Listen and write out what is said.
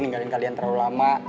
ninggalin kalian terlalu lama